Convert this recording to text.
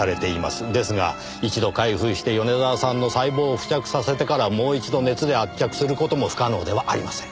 ですが一度開封して米沢さんの細胞を付着させてからもう一度熱で圧着する事も不可能ではありません。